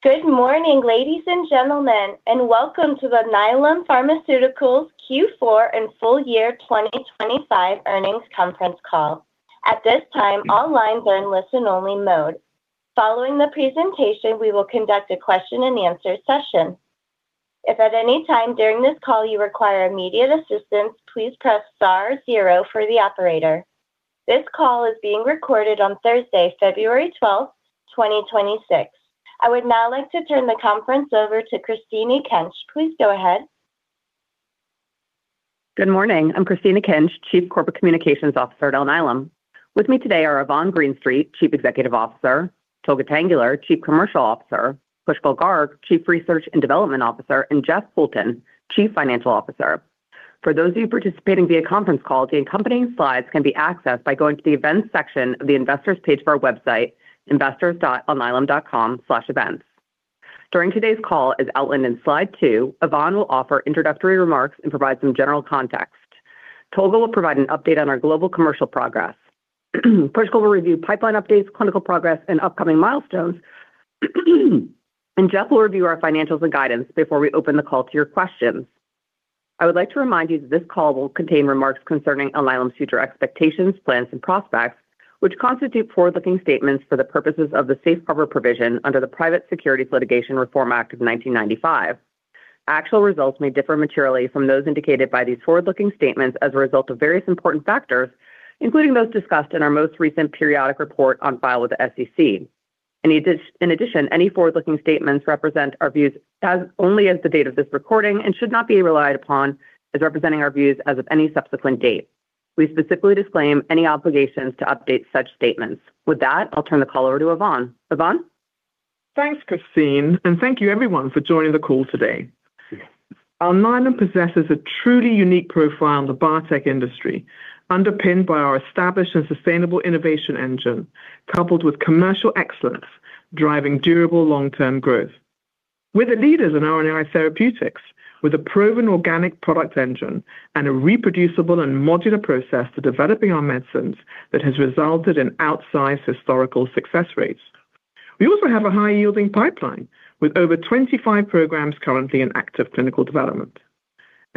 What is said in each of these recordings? Good morning, ladies and gentlemen, and welcome to the Alnylam Pharmaceuticals Q4 and full year 2025 earnings conference call. At this time, all lines are in listen-only mode. Following the presentation, we will conduct a question and answer session. If at any time during this call you require immediate assistance, please press star zero for the operator. This call is being recorded on Thursday, February 12, 2026. I would now like to turn the conference over to Christine Lindenboom. Please go ahead. Good morning. I'm Christine Lindenboom, Chief Corporate Communications Officer at Alnylam. With me today are Yvonne Greenstreet, Chief Executive Officer, Tolga Tanguler, Chief Commercial Officer, Pushkal Garg, Chief Research and Development Officer, and Jeff Poulton, Chief Financial Officer. For those of you participating via conference call, the accompanying slides can be accessed by going to the events section of the investors page of our website, investors.alnylam.com/events. During today's call, as outlined in slide two, Yvonne will offer introductory remarks and provide some general context. Tolga will provide an update on our global commercial progress. Pushkal will review pipeline updates, clinical progress, and upcoming milestones. Jeff will review our financials and guidance before we open the call to your questions. I would like to remind you that this call will contain remarks concerning Alnylam's future expectations, plans, and prospects, which constitute forward-looking statements for the purposes of the Safe Harbor provision under the Private Securities Litigation Reform Act of 1995. Actual results may differ materially from those indicated by these forward-looking statements as a result of various important factors, including those discussed in our most recent periodic report on file with the SEC. In addition, any forward-looking statements represent our views only as of the date of this recording and should not be relied upon as representing our views as of any subsequent date. We specifically disclaim any obligations to update such statements. With that, I'll turn the call over to Yvonne. Yvonne? Thanks, Christine, and thank you everyone for joining the call today. Alnylam possesses a truly unique profile in the biotech industry, underpinned by our established and sustainable innovation engine, coupled with commercial excellence, driving durable long-term growth. We're the leaders in RNAi therapeutics with a proven organic product engine and a reproducible and modular process to developing our medicines that has resulted in outsized historical success rates. We also have a high-yielding pipeline with over 25 programs currently in active clinical development.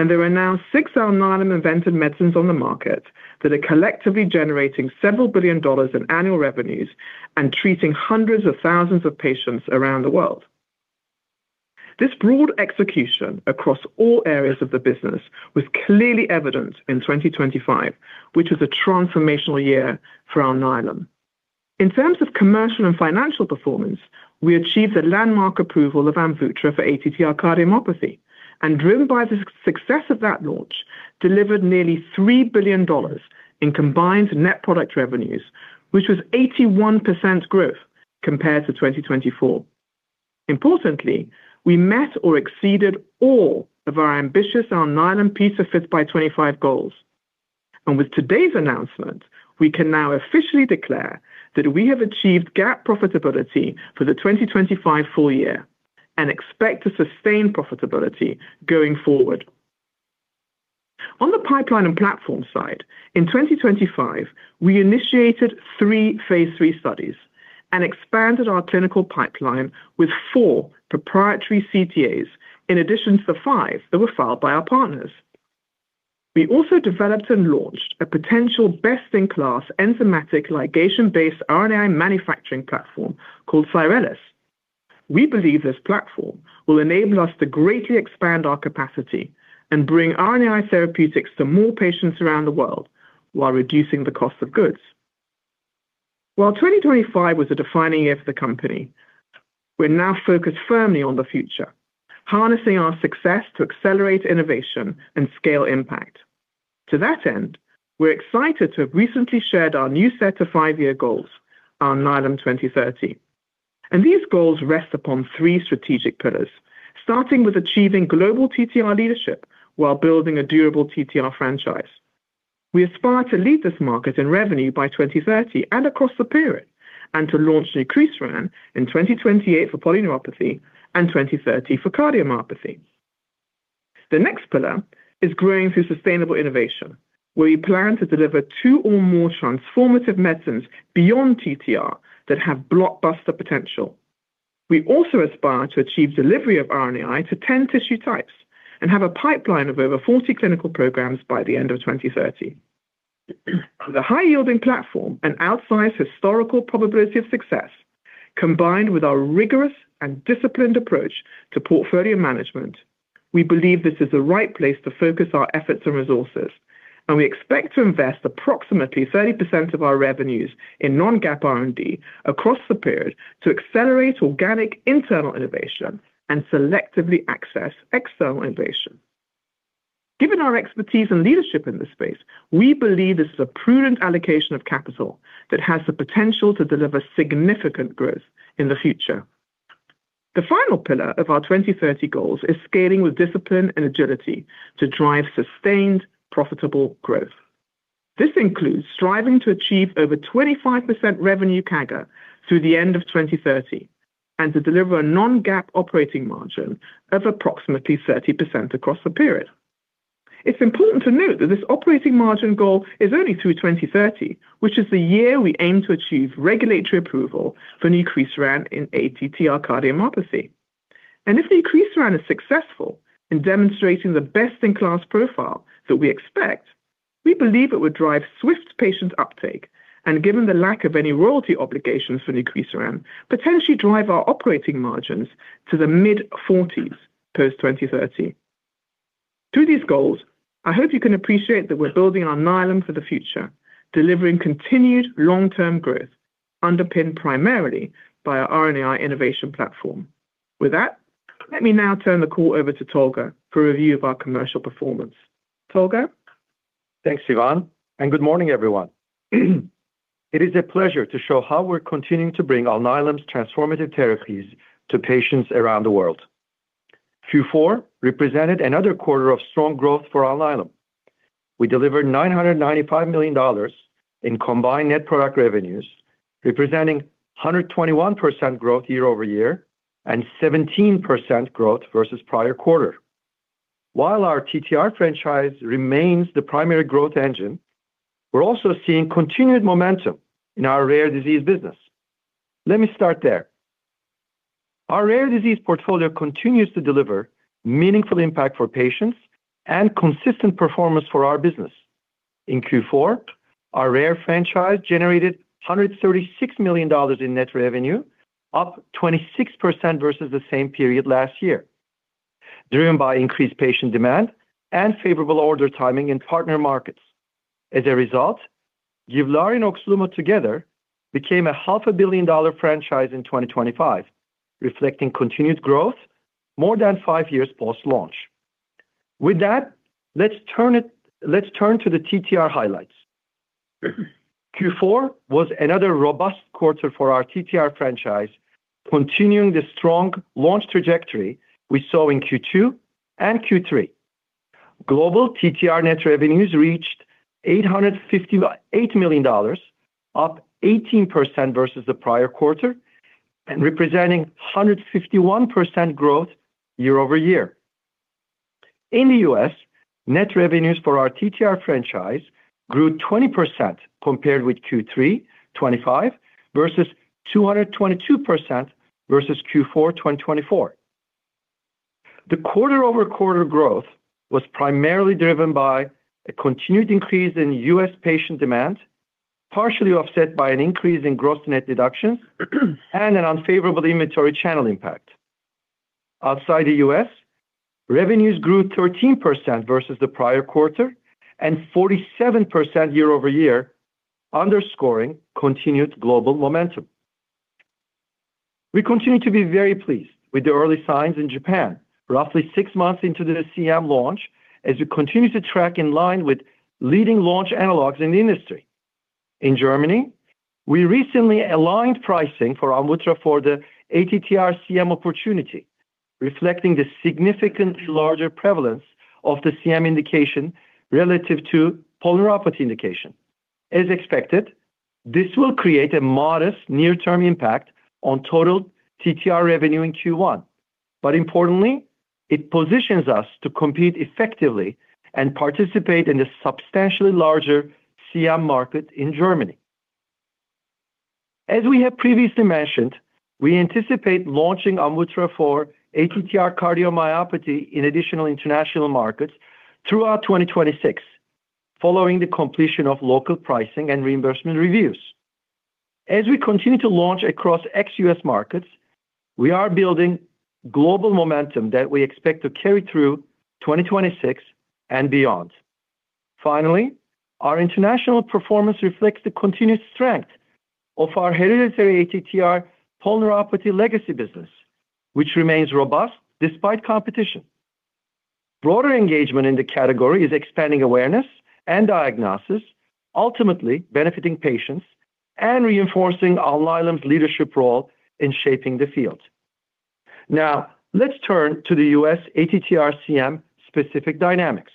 There are now six Alnylam-invented medicines on the market that are collectively generating $several billion in annual revenues and treating hundreds of thousands of patients around the world. This broad execution across all areas of the business was clearly evident in 2025, which was a transformational year for Alnylam. In terms of commercial and financial performance, we achieved a landmark approval of AMVUTTRA for ATTR cardiomyopathy, and driven by the success of that launch, delivered nearly $3 billion in combined net product revenues, which was 81% growth compared to 2024. Importantly, we met or exceeded all of our ambitious Alnylam Fit by 2025 goals. With today's announcement, we can now officially declare that we have achieved GAAP profitability for the 2025 full year and expect to sustain profitability going forward. On the pipeline and platform side, in 2025, we initiated 3 Phase 3 studies and expanded our clinical pipeline with 4 proprietary CTAs in addition to the 5 that were filed by our partners. We also developed and launched a potential best-in-class enzymatic ligation-based RNAi manufacturing platform called Syrelis. We believe this platform will enable us to greatly expand our capacity and bring RNAi therapeutics to more patients around the world while reducing the cost of goods. While 2025 was a defining year for the company, we're now focused firmly on the future, harnessing our success to accelerate innovation and scale impact. To that end, we're excited to have recently shared our new set of five-year goals, Alnylam 2030. These goals rest upon three strategic pillars, starting with achieving global TTR leadership while building a durable TTR franchise. We aspire to lead this market in revenue by 2030 and across the period, and to launch nucresiran in 2028 for polyneuropathy and 2030 for cardiomyopathy. The next pillar is growing through sustainable innovation, where we plan to deliver 2 or more transformative medicines beyond TTR that have blockbuster potential. We also aspire to achieve delivery of RNAi to 10 tissue types and have a pipeline of over 40 clinical programs by the end of 2030. The high-yielding platform and outsized historical probability of success, combined with our rigorous and disciplined approach to portfolio management, we believe this is the right place to focus our efforts and resources, and we expect to invest approximately 30% of our revenues in non-GAAP R&D across the period to accelerate organic internal innovation and selectively access external innovation. Given our expertise and leadership in this space, we believe this is a prudent allocation of capital that has the potential to deliver significant growth in the future. The final pillar of our 2030 goals is scaling with discipline and agility to drive sustained, profitable growth. This includes striving to achieve over 25% revenue CAGR through the end of 2030, and to deliver a non-GAAP operating margin of approximately 30% across the period. It's important to note that this operating margin goal is only through 2030, which is the year we aim to achieve regulatory approval for nucresiran in ATTR cardiomyopathy. And if nucresiran is successful in demonstrating the best-in-class profile that we expect, we believe it would drive swift patient uptake, and given the lack of any royalty obligations for nucresiran, potentially drive our operating margins to the mid-40s post-2030. Through these goals, I hope you can appreciate that we're building on Alnylam for the future, delivering continued long-term growth, underpinned primarily by our RNAi innovation platform. With that, let me now turn the call over to Tolga for a review of our commercial performance. Tolga? Thanks, Yvonne, and good morning, everyone. It is a pleasure to show how we're continuing to bring Alnylam's transformative therapies to patients around the world. Q4 represented another quarter of strong growth for Alnylam. We delivered $995 million in combined net product revenues, representing 121% growth year over year and 17% growth versus prior quarter. While our TTR franchise remains the primary growth engine, we're also seeing continued momentum in our rare disease business. Let me start there. Our rare disease portfolio continues to deliver meaningful impact for patients and consistent performance for our business. In Q4, our rare franchise generated $136 million in net revenue, up 26% versus the same period last year, driven by increased patient demand and favorable order timing in partner markets. As a result, GIVLAARI and OXLUMO together became a $500 million franchise in 2025, reflecting continued growth more than five years post-launch. With that, let's turn to the TTR highlights. Q4 was another robust quarter for our TTR franchise, continuing the strong launch trajectory we saw in Q2 and Q3. Global TTR net revenues reached $858 million, up 18% versus the prior quarter and representing 151% growth year-over-year. In the U.S., net revenues for our TTR franchise grew 20% compared with Q3 2025, versus 222% versus Q4 2024. The quarter-over-quarter growth was primarily driven by a continued increase in U.S. patient demand, partially offset by an increase in gross net deductions and an unfavorable inventory channel impact. Outside the US, revenues grew 13% versus the prior quarter and 47% year-over-year, underscoring continued global momentum. We continue to be very pleased with the early signs in Japan, roughly 6 months into the CM launch, as it continues to track in line with leading launch analogs in the industry. In Germany, we recently aligned pricing for AMVUTTRA for the ATTR-CM opportunity, reflecting the significantly larger prevalence of the CM indication relative to polyneuropathy indication. As expected, this will create a modest near-term impact on total TTR revenue in Q1, but importantly, it positions us to compete effectively and participate in the substantially larger CM market in Germany. As we have previously mentioned, we anticipate launching AMVUTTRA for ATTR cardiomyopathy in additional international markets throughout 2026, following the completion of local pricing and reimbursement reviews. As we continue to launch across ex-U.S. markets, we are building global momentum that we expect to carry through 2026 and beyond. Finally, our international performance reflects the continued strength of our hereditary ATTR polyneuropathy legacy business, which remains robust despite competition. Broader engagement in the category is expanding awareness and diagnosis, ultimately benefiting patients and reinforcing Alnylam's leadership role in shaping the field. Now, let's turn to the U.S. ATTR-CM specific dynamics.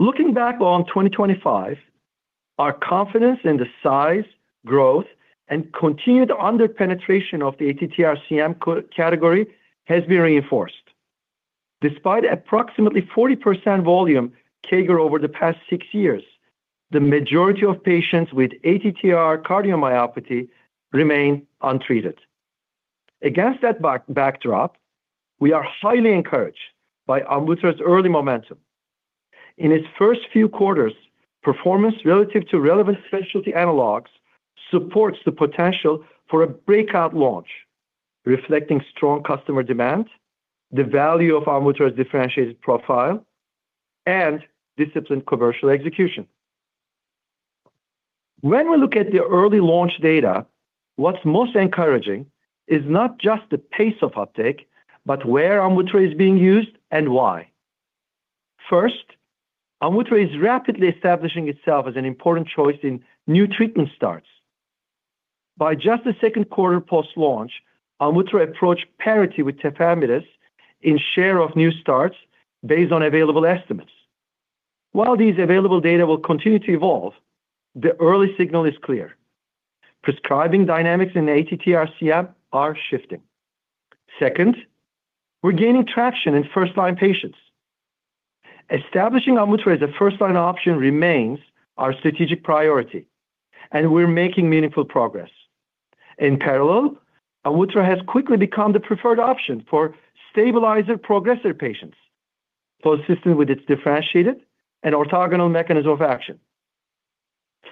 Looking back on 2025, our confidence in the size, growth, and continued under-penetration of the ATTR-CM category has been reinforced. Despite approximately 40% volume CAGR over the past 6 years, the majority of patients with ATTR cardiomyopathy remain untreated. Against that backdrop, we are highly encouraged by AMVUTTRA's early momentum. In its first few quarters, performance relative to relevant specialty analogs supports the potential for a breakout launch, reflecting strong customer demand, the value of AMVUTTRA's differentiated profile, and disciplined commercial execution. When we look at the early launch data, what's most encouraging is not just the pace of uptake, but where AMVUTTRA is being used and why. First, AMVUTTRA is rapidly establishing itself as an important choice in new treatment starts. By just the second quarter post-launch, AMVUTTRA approached parity with tafamidis in share of new starts based on available estimates.... While these available data will continue to evolve, the early signal is clear: prescribing dynamics in the ATTR-CM are shifting. Second, we're gaining traction in first-line patients. Establishing AMVUTTRA as a first-line option remains our strategic priority, and we're making meaningful progress. In parallel, AMVUTTRA has quickly become the preferred option for stabilizer progressive patients, for assisting with its differentiated and orthogonal mechanism of action.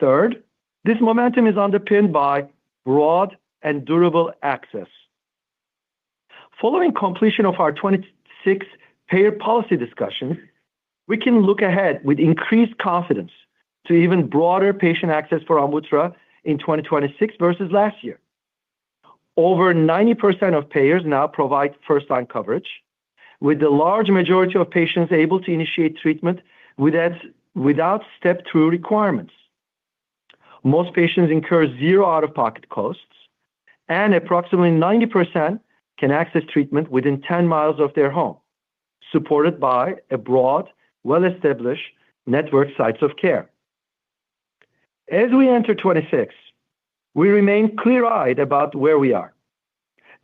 Third, this momentum is underpinned by broad and durable access. Following completion of our 26 payer policy discussion, we can look ahead with increased confidence to even broader patient access for AMVUTTRA in 2026 versus last year. Over 90% of payers now provide first-line coverage, with the large majority of patients able to initiate treatment with that, without step two requirements. Most patients incur zero out-of-pocket costs, and approximately 90% can access treatment within 10 miles of their home, supported by a broad, well-established network sites of care. As we enter 2026, we remain clear-eyed about where we are.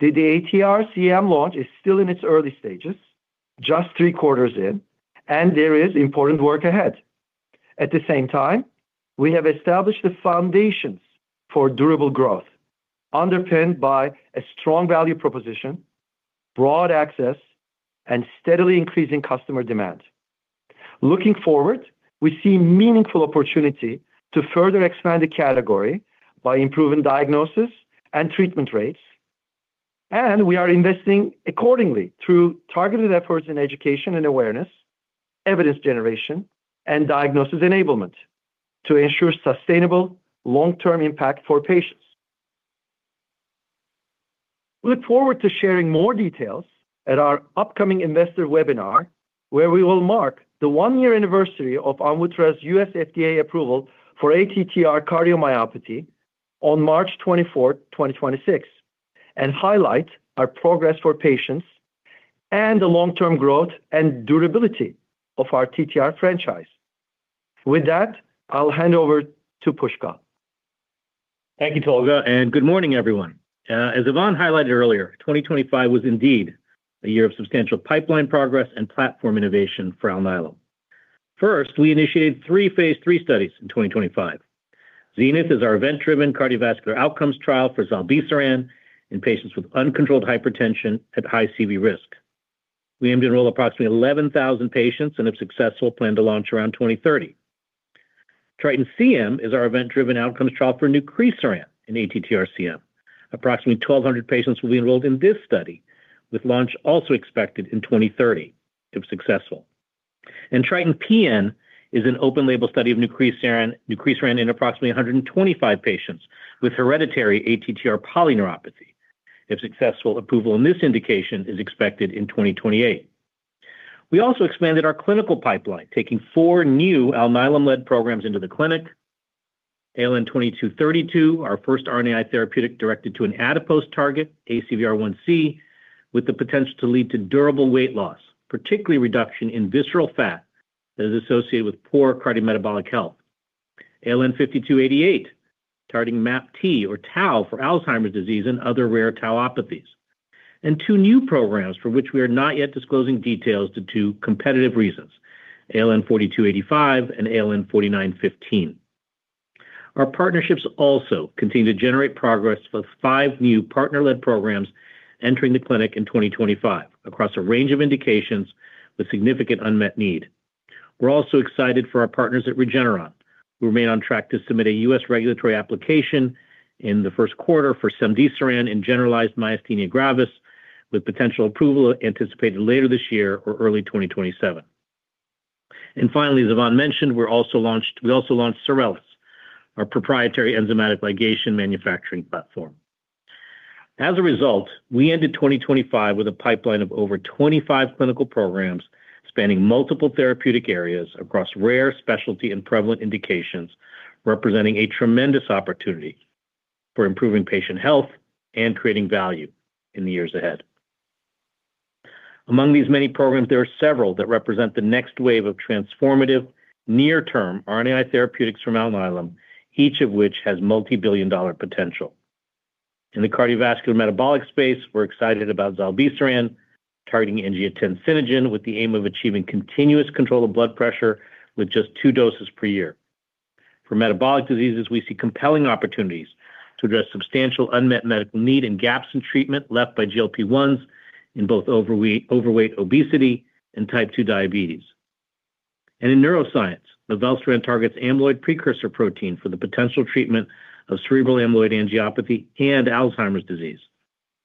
The ATTR-CM launch is still in its early stages, just three quarters in, and there is important work ahead. At the same time, we have established the foundations for durable growth, underpinned by a strong value proposition, broad access, and steadily increasing customer demand. Looking forward, we see meaningful opportunity to further expand the category by improving diagnosis and treatment rates, and we are investing accordingly through targeted efforts in education and awareness, evidence generation, and diagnosis enablement to ensure sustainable long-term impact for patients. We look forward to sharing more details at our upcoming investor webinar, where we will mark the one-year anniversary of AMVUTTRA's U.S. FDA approval for ATTR cardiomyopathy on March 24, 2026, and highlight our progress for patients and the long-term growth and durability of our TTR franchise. With that, I'll hand over to Pushkal. Thank you, Tolga, and good morning, everyone. As Yvonne highlighted earlier, 2025 was indeed a year of substantial pipeline progress and platform innovation for Alnylam. First, we initiated 3 phase 3 studies in 2025. Zenith is our event-driven cardiovascular outcomes trial for zilebesiran in patients with uncontrolled hypertension at high CV risk. We aim to enroll approximately 11,000 patients and, if successful, plan to launch around 2030. TRITON-CM is our event-driven outcomes trial for nucresiran in ATTR-CM. Approximately 1,200 patients will be enrolled in this study, with launch also expected in 2030, if successful. And TRITON-PN is an open-label study of nucresiran, nucresiran in approximately 125 patients with hereditary ATTR polyneuropathy. If successful, approval in this indication is expected in 2028. We also expanded our clinical pipeline, taking 4 new Alnylam-led programs into the clinic. ALN-2232, our first RNAi therapeutic, directed to an adipose target, ACVR1C, with the potential to lead to durable weight loss, particularly reduction in visceral fat that is associated with poor cardiometabolic health. ALN-5288, targeting MAPT or tau for Alzheimer's disease and other rare tauopathies. Two new programs for which we are not yet disclosing details due to competitive reasons, ALN-4285 and ALN-4915. Our partnerships also continue to generate progress, with five new partner-led programs entering the clinic in 2025 across a range of indications with significant unmet need. We're also excited for our partners at Regeneron, who remain on track to submit a U.S. regulatory application in the first quarter for Cemdisiran in generalized myasthenia gravis, with potential approval anticipated later this year or early 2027. And finally, as Yvonne mentioned, we're also launched—we also launched Syrelis, our proprietary enzymatic ligation manufacturing platform. As a result, we ended 2025 with a pipeline of over 25 clinical programs spanning multiple therapeutic areas across rare specialty and prevalent indications, representing a tremendous opportunity for improving patient health and creating value in the years ahead. Among these many programs, there are several that represent the next wave of transformative near-term RNAi therapeutics from Alnylam, each of which has multibillion-dollar potential. In the cardiovascular metabolic space, we're excited about zilebesiran, targeting angiotensinogen with the aim of achieving continuous control of blood pressure with just 2 doses per year. For metabolic diseases, we see compelling opportunities to address substantial unmet medical need and gaps in treatment left by GLP-1s in both overweight, obesity, and type 2 diabetes. In neuroscience, mivelsiran targets amyloid precursor protein for the potential treatment of cerebral amyloid angiopathy and Alzheimer's disease.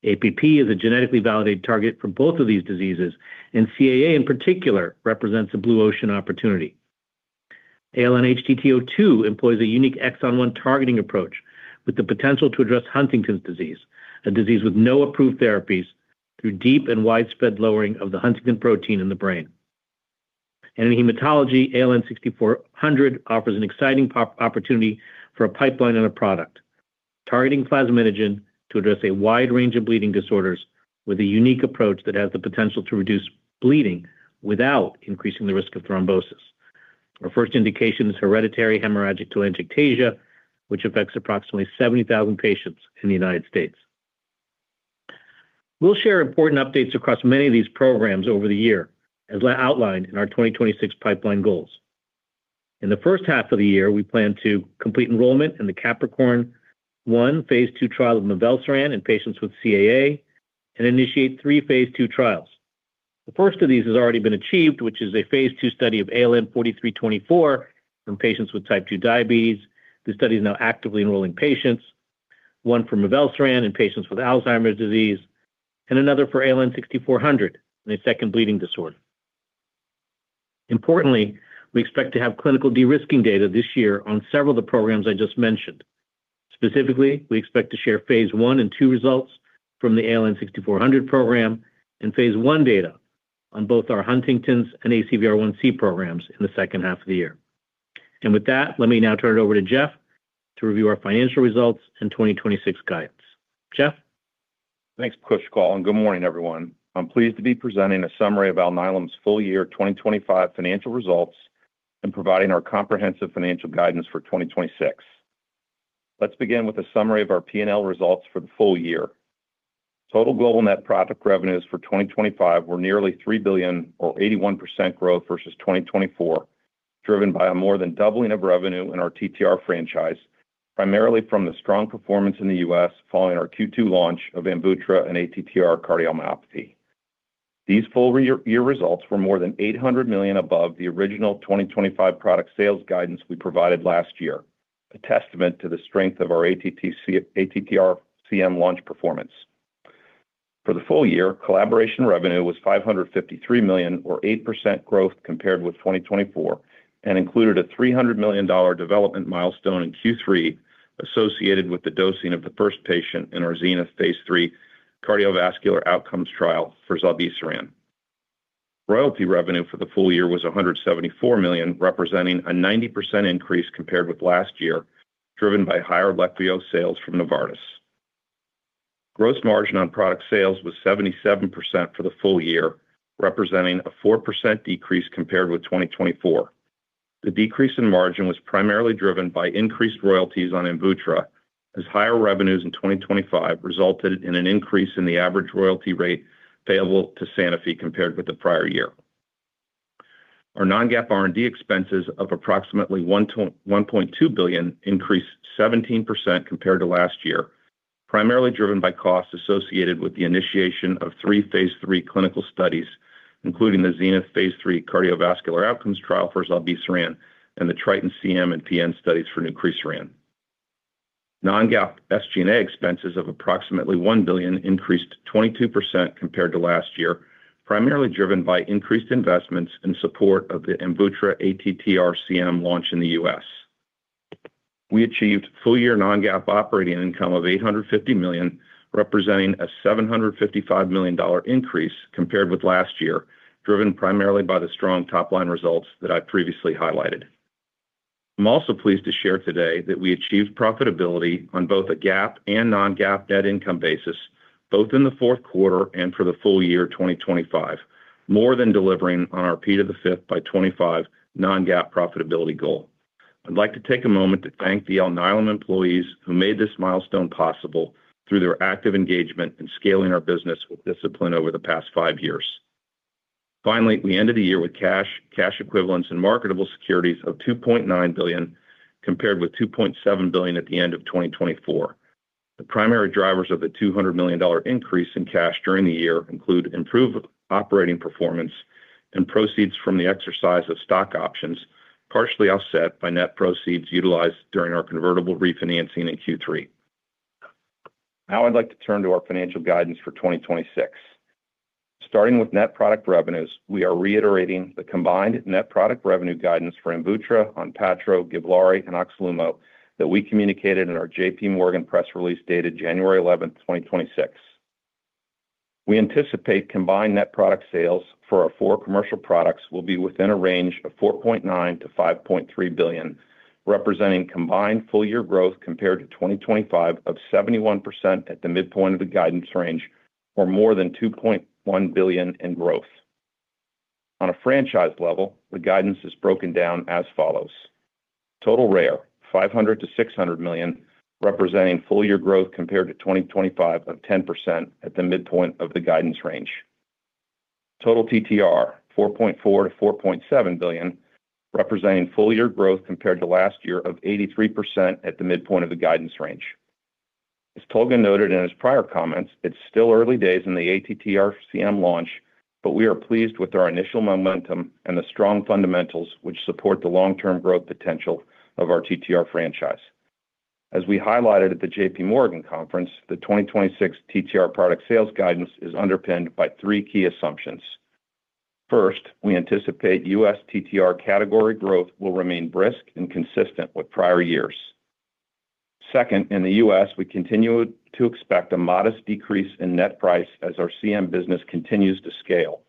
APP is a genetically validated target for both of these diseases, and CAA, in particular, represents a blue ocean opportunity. ALN-HTT02 employs a unique exon-one targeting approach with the potential to address Huntington's disease, a disease with no approved therapies, through deep and widespread lowering of the huntingtin protein in the brain. In hematology, ALN-6400 offers an exciting opportunity for a pipeline and a product targeting plasminogen to address a wide range of bleeding disorders with a unique approach that has the potential to reduce bleeding without increasing the risk of thrombosis. Our first indication is hereditary hemorrhagic telangiectasia, which affects approximately 70,000 patients in the United States. We'll share important updates across many of these programs over the year, as outlined in our 2026 pipeline goals. In the first half of the year, we plan to complete enrollment in the CAPRICORN-1 phase 2 trial of mivelsiran in patients with CAA, and initiate three phase 2 trials. The first of these has already been achieved, which is a phase 2 study of ALN-4324 in patients with type 2 diabetes. The study is now actively enrolling patients, one for mivelsiran in patients with Alzheimer's disease, and another for ALN-6400 in a second bleeding disorder. Importantly, we expect to have clinical de-risking data this year on several of the programs I just mentioned. Specifically, we expect to share phase 1 and 2 results from the ALN-6400 program and phase 1 data on both our Huntington's and ACVR1C programs in the second half of the year. With that, let me now turn it over to Jeff to review our financial results and 2026 guidance. Jeff? Thanks, Pushkal, and good morning, everyone. I'm pleased to be presenting a summary of Alnylam's full year 2025 financial results and providing our comprehensive financial guidance for 2026. Let's begin with a summary of our P&L results for the full year. Total global net product revenues for 2025 were nearly $3 billion or 81% growth versus 2024, driven by a more than doubling of revenue in our TTR franchise, primarily from the strong performance in the U.S. following our Q2 launch of AMVUTTRA and ATTR cardiomyopathy. These full-year results were more than $800 million above the original 2025 product sales guidance we provided last year, a testament to the strength of our ATTR-CM launch performance. For the full year, collaboration revenue was $553 million or 8% growth compared with 2024, and included a $300 million development milestone in Q3, associated with the dosing of the first patient in our ZENITH Phase 3 cardiovascular outcomes trial for zilebesiran. Royalty revenue for the full year was $174 million, representing a 90% increase compared with last year, driven by higher Leqvio sales from Novartis. Gross margin on product sales was 77% for the full year, representing a 4% decrease compared with 2024. The decrease in margin was primarily driven by increased royalties on AMVUTTRA, as higher revenues in 2025 resulted in an increase in the average royalty rate payable to Sanofi compared with the prior year. Our non-GAAP R&D expenses of approximately $1-$1.2 billion increased 17% compared to last year, primarily driven by costs associated with the initiation of three phase 3 clinical studies, including the ZENITH phase 3 cardiovascular outcomes trial for zilebesiran and the TRITON-CM and TRITON-PN studies for nucresiran. Non-GAAP SG&A expenses of approximately $1 billion increased 22% compared to last year, primarily driven by increased investments in support of the AMVUTTRA ATTR-CM launch in the U.S. We achieved full-year non-GAAP operating income of $850 million, representing a $755 million increase compared with last year, driven primarily by the strong top-line results that I've previously highlighted. I'm also pleased to share today that we achieved profitability on both a GAAP and non-GAAP net income basis, both in the fourth quarter and for the full year 2025, more than delivering on our P5x25 non-GAAP profitability goal. I'd like to take a moment to thank the Alnylam employees who made this milestone possible through their active engagement in scaling our business with discipline over the past five years. Finally, we ended the year with cash, cash equivalents, and marketable securities of $2.9 billion, compared with $2.7 billion at the end of 2024. The primary drivers of the $200 million increase in cash during the year include improved operating performance and proceeds from the exercise of stock options, partially offset by net proceeds utilized during our convertible refinancing in Q3. Now I'd like to turn to our financial guidance for 2026. Starting with net product revenues, we are reiterating the combined net product revenue guidance for AMVUTTRA, ONPATTRO, GIVLAARI, and OXLUMO that we communicated in our J.P. Morgan press release dated January 11, 2026. We anticipate combined net product sales for our four commercial products will be within a range of $4.9 billion-$5.3 billion, representing combined full-year growth compared to 2025 of 71% at the midpoint of the guidance range, or more than $2.1 billion in growth. On a franchise level, the guidance is broken down as follows: Total rare, $500 million-$600 million, representing full year growth compared to 2025 of 10% at the midpoint of the guidance range. Total TTR, $4.4-$4.7 billion, representing full year growth compared to last year of 83% at the midpoint of the guidance range. As Tolga noted in his prior comments, it's still early days in the ATTR-CM launch, but we are pleased with our initial momentum and the strong fundamentals, which support the long-term growth potential of our TTR franchise. As we highlighted at the J.P. Morgan conference, the 2026 TTR product sales guidance is underpinned by three key assumptions. First, we anticipate U.S. TTR category growth will remain brisk and consistent with prior years. Second, in the U.S., we continue to expect a modest decrease in net price as our CM business continues to scale....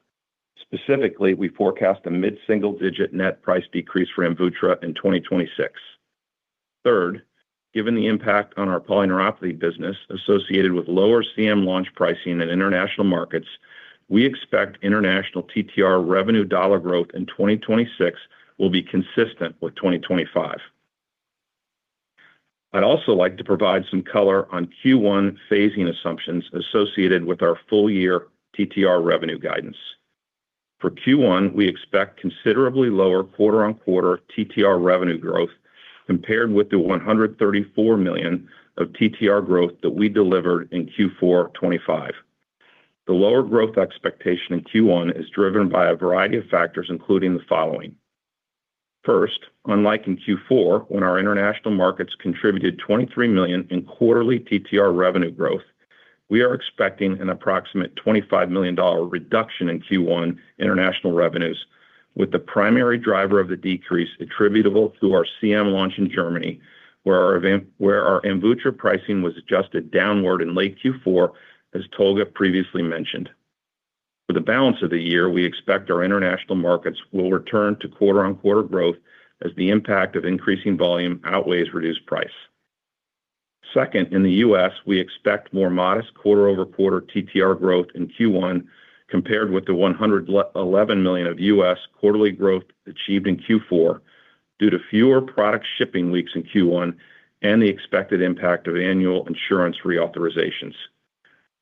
Specifically, we forecast a mid-single-digit net price decrease for AMVUTTRA in 2026. Third, given the impact on our polyneuropathy business associated with lower CM launch pricing in international markets, we expect international TTR revenue dollar growth in 2026 will be consistent with 2025. I'd also like to provide some color on Q1 phasing assumptions associated with our full year TTR revenue guidance. For Q1, we expect considerably lower quarter-on-quarter TTR revenue growth compared with the $134 million of TTR growth that we delivered in Q4 2025. The lower growth expectation in Q1 is driven by a variety of factors, including the following. First, unlike in Q4, when our international markets contributed $23 million in quarterly TTR revenue growth, we are expecting an approximate $25 million reduction in Q1 international revenues, with the primary driver of the decrease attributable to our CM launch in Germany, where our AMVUTTRA pricing was adjusted downward in late Q4, as Tolga previously mentioned. For the balance of the year, we expect our international markets will return to quarter-over-quarter growth as the impact of increasing volume outweighs reduced price. Second, in the US, we expect more modest quarter-over-quarter TTR growth in Q1 compared with the $111 million of US quarterly growth achieved in Q4, due to fewer product shipping weeks in Q1 and the expected impact of annual insurance reauthorizations.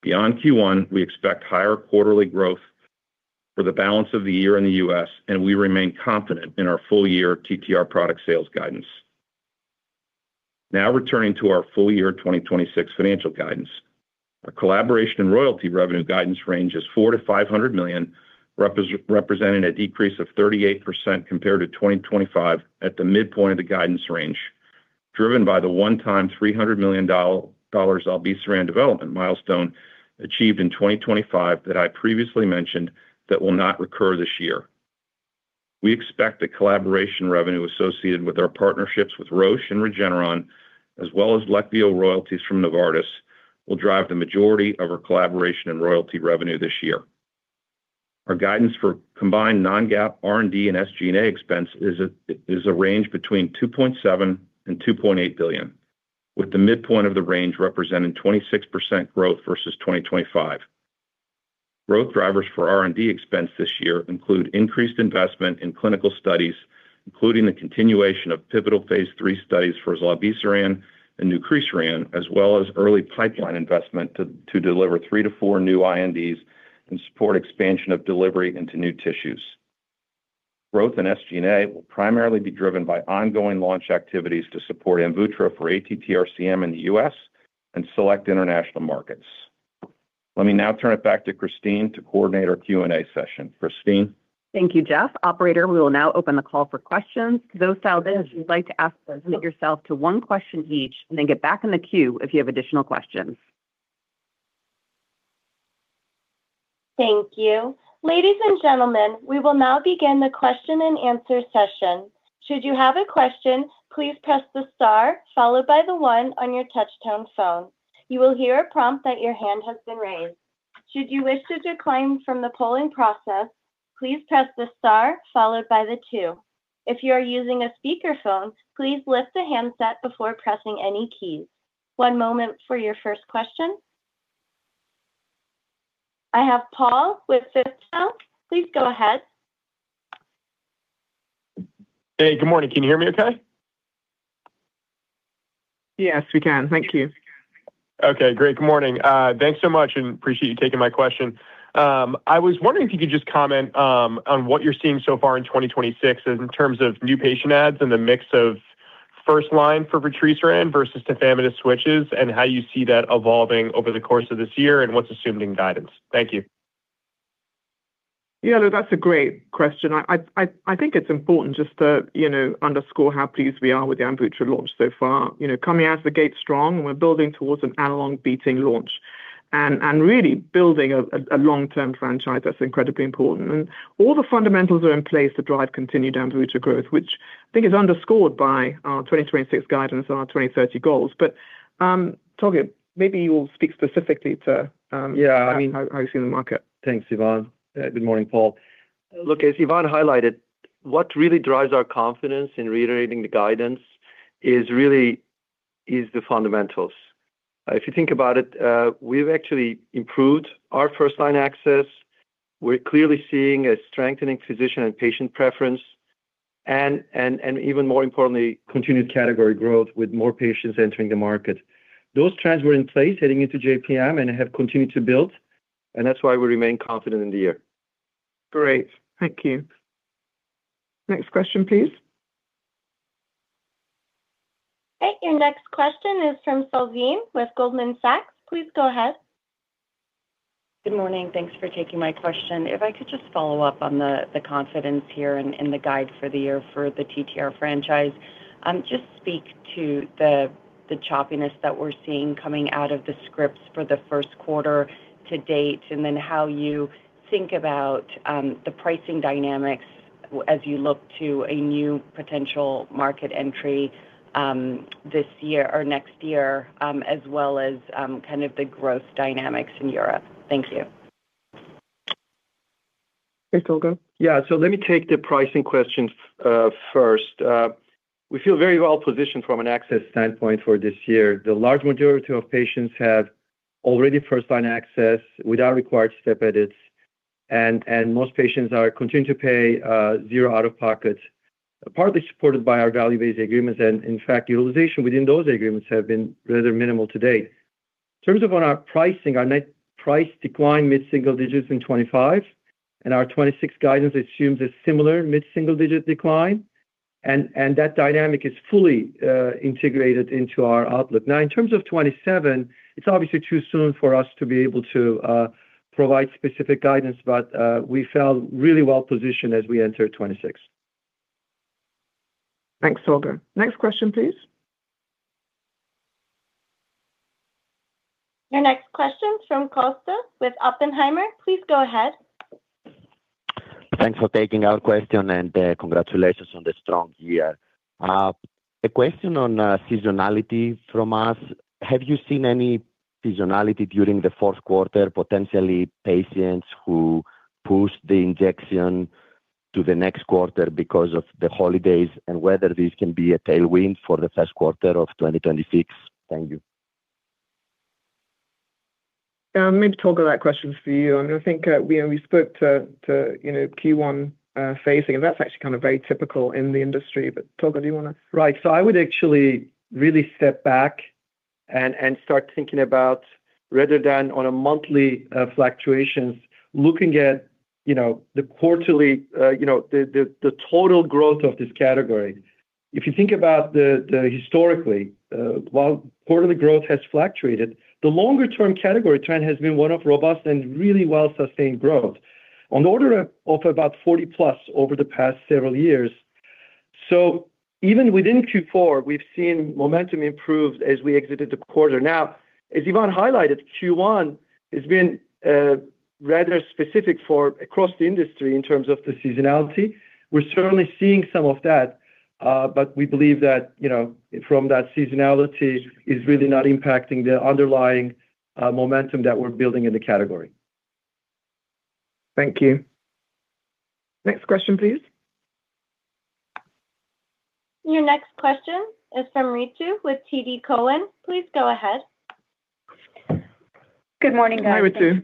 Beyond Q1, we expect higher quarterly growth for the balance of the year in the U.S., and we remain confident in our full-year TTR product sales guidance. Now, returning to our full-year 2026 financial guidance. Our collaboration and royalty revenue guidance range is $400 million-$500 million, representing a decrease of 38% compared to 2025 at the midpoint of the guidance range, driven by the one-time $300 million dollars Zolgensma development milestone achieved in 2025 that I previously mentioned, that will not recur this year. We expect the collaboration revenue associated with our partnerships with Roche and Regeneron, as well as Leqvio royalties from Novartis, will drive the majority of our collaboration and royalty revenue this year. Our guidance for combined non-GAAP R&D and SG&A expense is a range between $2.7 billion and $2.8 billion, with the midpoint of the range representing 26% growth versus 2025. Growth drivers for R&D expense this year include increased investment in clinical studies, including the continuation of pivotal phase 3 studies for zilebesiran and nucresiran, as well as early pipeline investment to deliver 3-4 new INDs and support expansion of delivery into new tissues. Growth in SG&A will primarily be driven by ongoing launch activities to support AMVUTTRA for ATTR-CM in the U.S. and select international markets. Let me now turn it back to Christine to coordinate our Q&A session. Christine? Thank you, Jeff. Operator, we will now open the call for questions. To those of you, if you'd like to ask, limit yourself to one question each and then get back in the queue if you have additional questions. Thank you. Ladies and gentlemen, we will now begin the question-and-answer session. Should you have a question, please press the star followed by the one on your touchtone phone. You will hear a prompt that your hand has been raised. Should you wish to decline from the polling process, please press the star followed by the two. If you are using a speakerphone, please lift the handset before pressing any keys. One moment for your first question. I have Paul with Citadel. Please go ahead. Hey, good morning. Can you hear me okay? Yes, we can. Thank you. Okay, great. Good morning. Thanks so much, and appreciate you taking my question. I was wondering if you could just comment on what you're seeing so far in 2026 in terms of new patient adds and the mix of first-line for patisiran versus tafamidis switches, and how you see that evolving over the course of this year, and what's assumed in guidance? Thank you. Yeah, look, that's a great question. I think it's important just to, you know, underscore how pleased we are with the AMVUTTRA launch so far. You know, coming out of the gate strong, we're building towards an analog beating launch and really building a long-term franchise that's incredibly important. All the fundamentals are in place to drive continued AMVUTTRA growth, which I think is underscored by our 2026 guidance and our 2030 goals. But, Tolga, maybe you will speak specifically to- Yeah I mean, how you see the market. Thanks, Yvonne. Good morning, Paul. Look, as Yvonne highlighted, what really drives our confidence in reiterating the guidance is really, is the fundamentals. If you think about it, we've actually improved our first line access. We're clearly seeing a strengthening physician and patient preference, and even more importantly, continued category growth with more patients entering the market. Those trends were in place heading into JPM and have continued to build, and that's why we remain confident in the year. Great. Thank you. Next question, please. Okay, your next question is from Salveen with Goldman Sachs. Please go ahead. Good morning. Thanks for taking my question. If I could just follow up on the confidence here and in the guide for the year for the TTR franchise. Just speak to the choppiness that we're seeing coming out of the scripts for the first quarter to date, and then how you think about the pricing dynamics?... as you look to a new potential market entry, this year or next year, as well as, kind of the growth dynamics in Europe? Thank you. Hey, Tolga. Yeah, so let me take the pricing question first. We feel very well positioned from an access standpoint for this year. The large majority of patients have already first-line access without required step edits, and most patients are continuing to pay zero out-of-pocket, partly supported by our value-based agreements. And in fact, utilization within those agreements have been rather minimal to date. In terms of our pricing, our net price declined mid-single digits in 2025, and our 2026 guidance assumes a similar mid-single-digit decline. And that dynamic is fully integrated into our outlook. Now, in terms of 2027, it's obviously too soon for us to be able to provide specific guidance, but we feel really well positioned as we enter 2026. Thanks, Tolga. Next question, please. Your next question from Kosta with Oppenheimer. Please go ahead. Thanks for taking our question, and, congratulations on the strong year. A question on seasonality from us. Have you seen any seasonality during the fourth quarter, potentially patients who pushed the injection to the next quarter because of the holidays, and whether this can be a tailwind for the first quarter of 2026? Thank you. Maybe, Tolga, that question is for you. And I think we spoke to, you know, Q1 phasing, and that's actually kind of very typical in the industry. But Tolga, do you want to- Right. So I would actually really step back and start thinking about rather than on a monthly fluctuations, looking at, you know, the quarterly, you know, the total growth of this category. If you think about the historically, while quarterly growth has fluctuated, the longer-term category trend has been one of robust and really well-sustained growth on the order of about 40+ over the past several years. So even within Q4, we've seen momentum improve as we exited the quarter. Now, as Yvonne highlighted, Q1 has been rather specific for across the industry in terms of the seasonality. We're certainly seeing some of that, but we believe that, you know, from that seasonality is really not impacting the underlying momentum that we're building in the category. Thank you. Next question, please. Your next question is from Ritu with TD Cowen. Please go ahead. Good morning, guys. Hi, Ritu.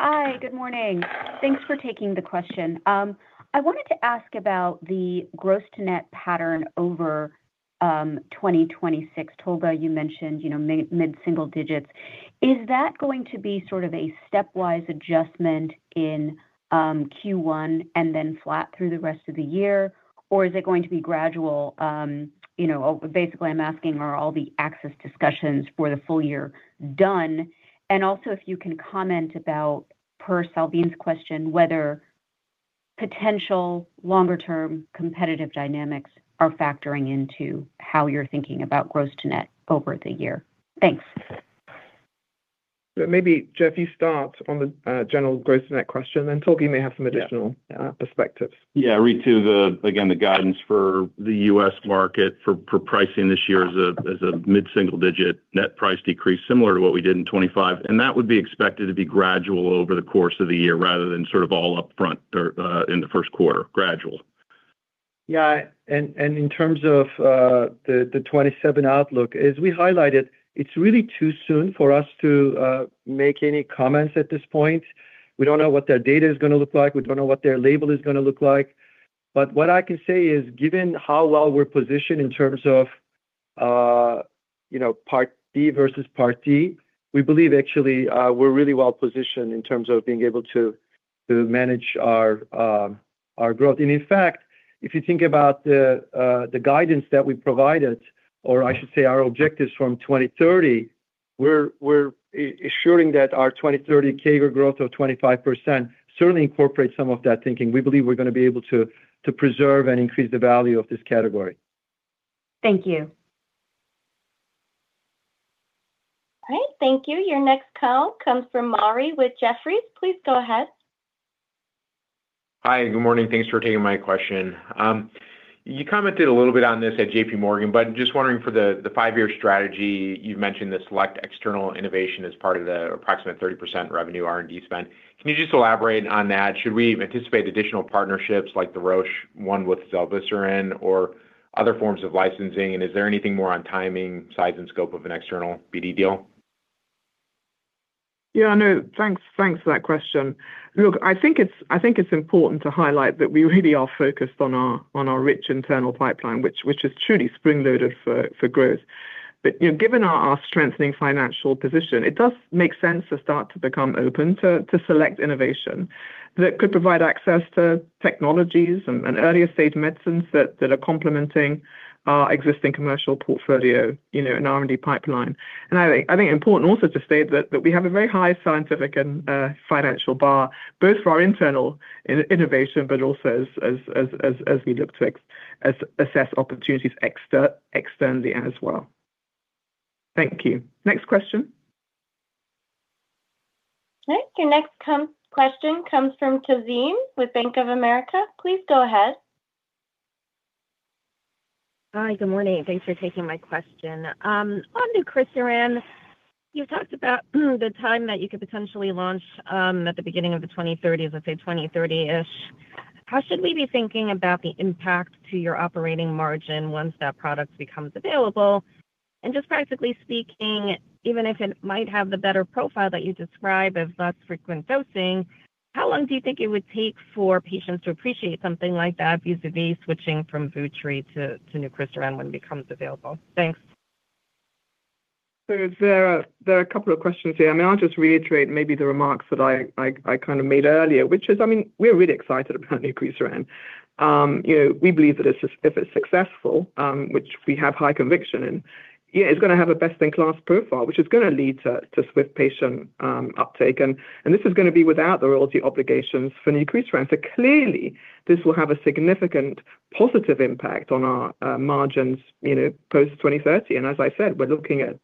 Hi, good morning. Thanks for taking the question. I wanted to ask about the gross to net pattern over 2026. Tolga, you mentioned, you know, mid, mid-single digits. Is that going to be sort of a stepwise adjustment in Q1 and then flat through the rest of the year, or is it going to be gradual, you know... Basically, I'm asking, are all the access discussions for the full year done? And also, if you can comment about, per Salveen's question, whether potential longer-term competitive dynamics are factoring into how you're thinking about gross to net over the year. Thanks. Maybe, Jeff, you start on the, general gross to net question, then Tolga may have some additional- Yeah... perspectives. Yeah, Ritu, the, again, the guidance for the U.S. market for pricing this year is a mid-single-digit net price decrease, similar to what we did in 25, and that would be expected to be gradual over the course of the year rather than sort of all up front or in the first quarter. Gradual. Yeah, and in terms of the 2027 outlook, as we highlighted, it's really too soon for us to make any comments at this point. We don't know what their data is going to look like. We don't know what their label is going to look like. But what I can say is, given how well we're positioned in terms of, you know, Part B versus Part D, we believe actually, we're really well positioned in terms of being able to manage our growth. And in fact, if you think about the guidance that we provided, or I should say, our objectives from 2030, we're ensuring that our 2030 CAGR growth of 25% certainly incorporates some of that thinking. We believe we're going to be able to preserve and increase the value of this category. Thank you. Great, thank you. Your next call comes from Maury with Jefferies. Please go ahead. Hi, good morning. Thanks for taking my question. You commented a little bit on this at J.P. Morgan, but just wondering for the, the five-year strategy, you've mentioned the select external innovation as part of the approximate 30% revenue R&D spend. Can you just elaborate on that? Should we anticipate additional partnerships like the Roche, one with or other forms of licensing? And is there anything more on timing, size, and scope of an external BD deal? Yeah, I know. Thanks, thanks for that question. Look, I think it's important to highlight that we really are focused on our rich internal pipeline, which is truly spring-loaded for growth. But, you know, given our strengthening financial position, it does make sense to start to become open to select innovation that could provide access to technologies and earlier-stage medicines that are complementing our existing commercial portfolio, you know, and R&D pipeline. And I think it's important also to state that we have a very high scientific and financial bar, both for our internal innovation, but also as we look to assess opportunities externally as well. Thank you. Next question?... Okay, your next question comes from Tazeen with Bank of America. Please go ahead. Hi, good morning. Thanks for taking my question. On the nucresiran, you talked about the time that you could potentially launch, at the beginning of the 2030s, let's say 2030-ish. How should we be thinking about the impact to your operating margin once that product becomes available? And just practically speaking, even if it might have the better profile that you describe of less frequent dosing, how long do you think it would take for patients to appreciate something like that, vis-a-vis switching from vutrisiran to, to nucresiran when it becomes available? Thanks. So there are a couple of questions here. I mean, I'll just reiterate maybe the remarks that I kind of made earlier, which is, I mean, we're really excited about nucresiran. You know, we believe that if it's successful, which we have high conviction in, yeah, it's gonna have a best-in-class profile, which is gonna lead to swift patient uptake. And this is gonna be without the royalty obligations for nucresiran. So clearly, this will have a significant positive impact on our margins, you know, post-2030. And as I said, we're looking at,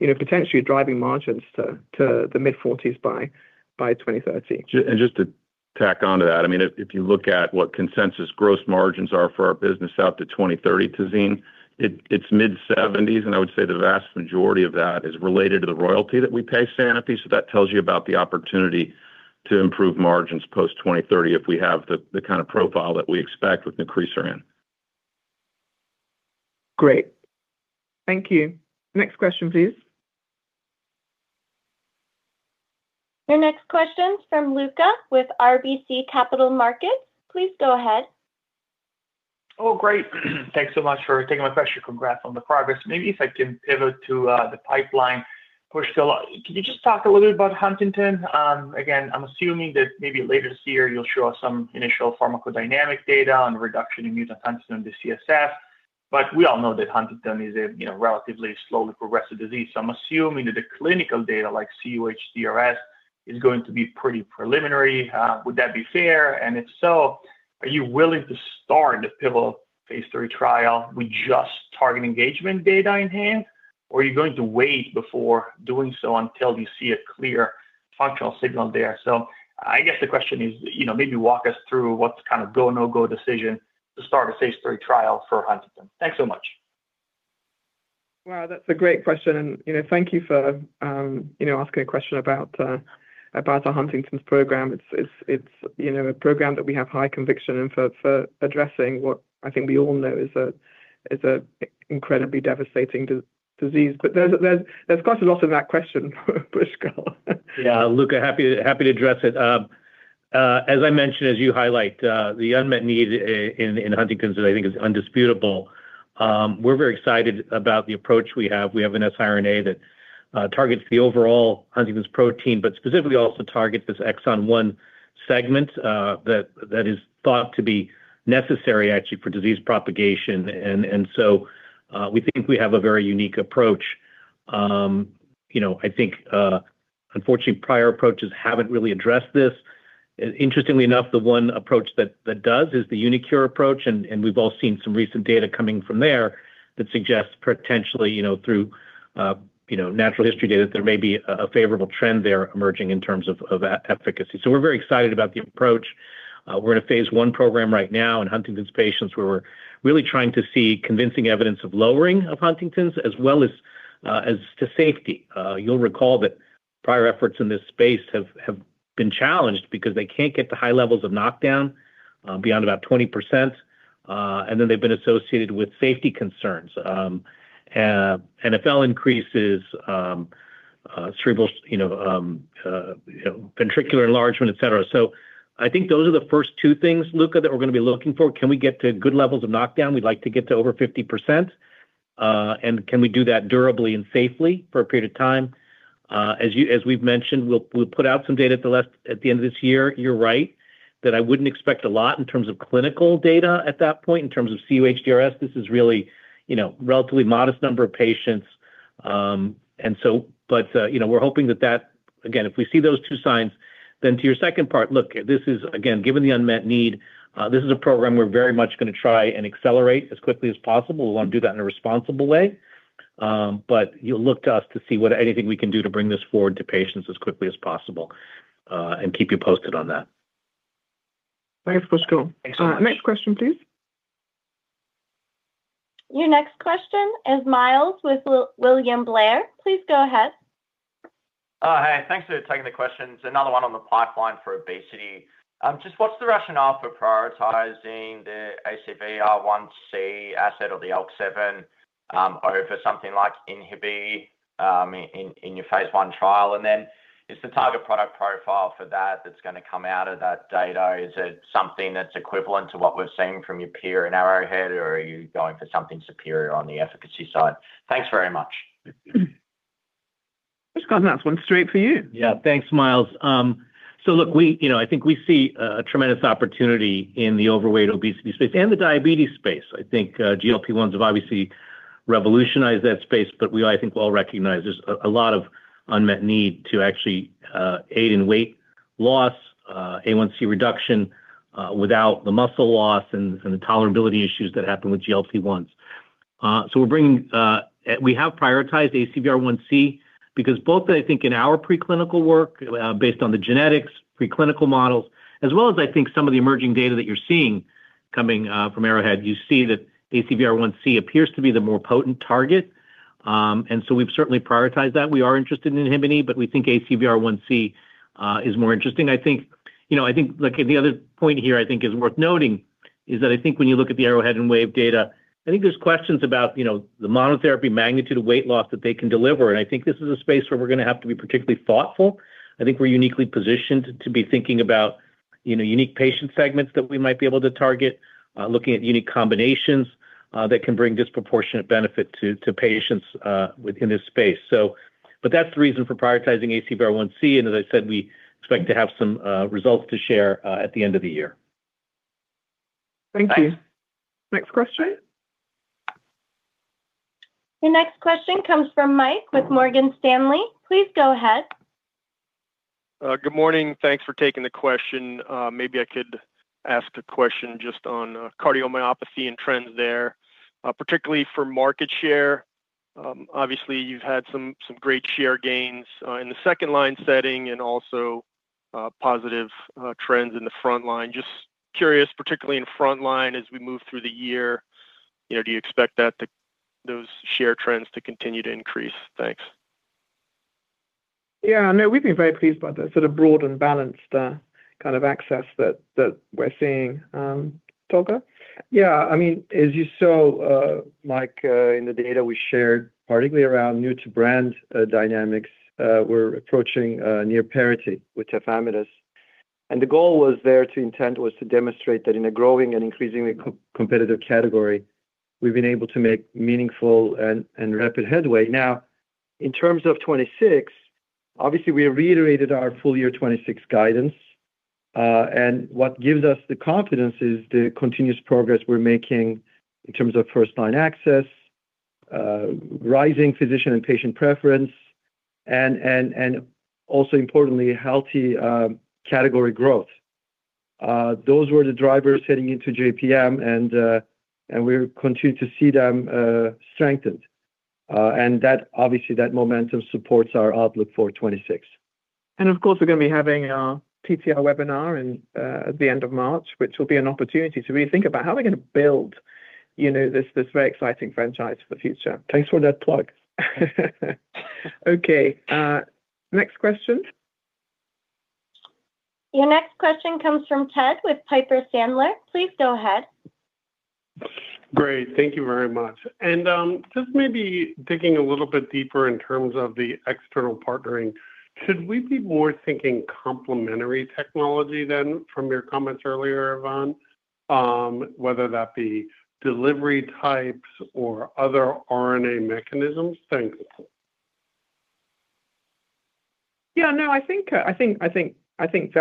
you know, potentially driving margins to the mid-40s by 2030. And just to tack on to that, I mean, if, if you look at what consensus gross margins are for our business out to 2030, Tazeen, it, it's mid-70s, and I would say the vast majority of that is related to the royalty that we pay Sanofi. So that tells you about the opportunity to improve margins post-2030, if we have the, the kind of profile that we expect with nucresiran. Great. Thank you. Next question, please. Your next question from Luca with RBC Capital Markets. Please go ahead. Oh, great. Thanks so much for taking my question. Congrats on the progress. Maybe if I can pivot to the pipeline push still. Can you just talk a little bit about Huntington? Again, I'm assuming that maybe later this year, you'll show us some initial pharmacodynamic data on reduction in mutant huntingtin in the CSF. But we all know that Huntington is a, you know, relatively slowly progressive disease. So I'm assuming that the clinical data, like CUHDRS, is going to be pretty preliminary. Would that be fair? And if so, are you willing to start the pivotal phase 3 trial with just target engagement data in hand, or are you going to wait before doing so until you see a clear functional signal there? So I guess the question is, you know, maybe walk us through what's kind of go, no-go decision to start a phase III trial for Huntington? Thanks so much. Wow, that's a great question. You know, thank you for, you know, asking a question about our Huntington's program. It's, you know, a program that we have high conviction in for addressing what I think we all know is an incredibly devastating disease. But there's quite a lot in that question, Brisco. Yeah, Luca, happy to, happy to address it. As I mentioned, as you highlight, the unmet need in Huntington's, I think, is undisputable. We're very excited about the approach we have. We have an siRNA that targets the overall Huntington's protein, but specifically also targets this exon one segment that is thought to be necessary, actually, for disease propagation. And so, we think we have a very unique approach. You know, I think, unfortunately, prior approaches haven't really addressed this. Interestingly enough, the one approach that does is the uniQure approach, and we've all seen some recent data coming from there that suggests potentially, you know, through natural history data, there may be a favorable trend there emerging in terms of efficacy. So we're very excited about the approach. We're in a phase I program right now in Huntington's patients, where we're really trying to see convincing evidence of lowering of Huntington's, as well as, as to safety. You'll recall that prior efforts in this space have been challenged because they can't get to high levels of knockdown, beyond about 20%, and then they've been associated with safety concerns. NFL increases, cerebral, you know, ventricular enlargement, et cetera. So I think those are the first two things, Luca, that we're gonna be looking for. Can we get to good levels of knockdown? We'd like to get to over 50%. And can we do that durably and safely for a period of time? As we've mentioned, we'll put out some data at the end of this year. You're right that I wouldn't expect a lot in terms of clinical data at that point, in terms of CUHDRS. This is really, you know, relatively modest number of patients, and so. But, you know, we're hoping that, again, if we see those two signs, then to your second part, look, this is again, given the unmet need, this is a program we're very much gonna try and accelerate as quickly as possible. We want to do that in a responsible way, but you'll look to us to see what anything we can do to bring this forward to patients as quickly as possible, and keep you posted on that. Thanks, Brisco. Thanks so much. Next question, please. Your next question is Myles with William Blair. Please go ahead. Hi, thanks for taking the questions. Another one on the pipeline for obesity. Just what's the rationale for prioritizing the ACVR1C asset or the ALK7 over something like inhibin in your phase I trial? And then, is the target product profile for that that's gonna come out of that data, is it something that's equivalent to what we're seeing from your peer and Arrowhead, or are you going for something superior on the efficacy side? Thanks very much. Briscoe, that's one straight for you. Yeah. Thanks, Myles. So look, we, you know, I think we see a tremendous opportunity in the overweight obesity space and the diabetes space. I think, GLP-1s have obviously revolutionized that space, but we, I think, all recognize there's a lot of unmet need to actually aid in weight loss, A1C reduction, without the muscle loss and the tolerability issues that happen with GLP-1s. So we're bringing, we have prioritized ACVR1C because both, I think, in our preclinical work, based on the genetics, preclinical models, as well as I think some of the emerging data that you're seeing coming from Arrowhead, you see that ACVR1C appears to be the more potent target. And so we've certainly prioritized that. We are interested in inhibin, but we think ACVR1C is more interesting. I think, you know, I think, look, the other point here I think is worth noting is that I think when you look at the Arrowhead and Wave data, I think there's questions about, you know, the monotherapy magnitude of weight loss that they can deliver, and I think this is a space where we're going to have to be particularly thoughtful. I think we're uniquely positioned to be thinking about, you know, unique patient segments that we might be able to target, looking at unique combinations, that can bring disproportionate benefit to patients, within this space. But that's the reason for prioritizing ACVR1C, and as I said, we expect to have some results to share, at the end of the year. Thank you. Next question. The next question comes from Mike with Morgan Stanley. Please go ahead. Good morning. Thanks for taking the question. Maybe I could ask a question just on cardiomyopathy and trends there, particularly for market share. Obviously, you've had some great share gains in the second-line setting and also positive trends in the front line. Just curious, particularly in front line, as we move through the year, you know, do you expect those share trends to continue to increase? Thanks. Yeah, I know. We've been very pleased by the sort of broad and balanced kind of access that we're seeing, Tolga. Yeah, I mean, as you saw, Mike, in the data we shared, particularly around new to brand dynamics, we're approaching near parity with tafamidis. And the goal was there to intent was to demonstrate that in a growing and increasingly competitive category, we've been able to make meaningful and rapid headway. Now, in terms of 2026, obviously, we reiterated our full year 2026 guidance, and what gives us the confidence is the continuous progress we're making in terms of first line access, rising physician and patient preference, and also importantly, healthy category growth. Those were the drivers heading into JPM, and we continue to see them strengthened. And that, obviously, that momentum supports our outlook for 2026. Of course, we're going to be having our TTR webinar in at the end of March, which will be an opportunity to really think about how are we going to build, you know, this, this very exciting franchise for the future. Thanks for that plug. Okay. Next question? Your next question comes from Ted with Piper Sandler. Please go ahead. Great. Thank you very much. And, just maybe digging a little bit deeper in terms of the external partnering, should we be more thinking complementary technology then from your comments earlier, Yvonne, whether that be delivery types or other RNA mechanisms? Thanks. Yeah, no, I think that's absolutely